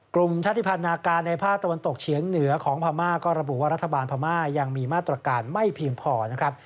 ชาติภัณฑ์นาการในภาคตะวันตกเฉียงเหนือของพม่าก็ระบุว่ารัฐบาลพม่ายังมีมาตรการไม่เพียงพอนะครับ